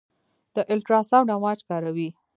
د الټراساونډ امواج کاروي.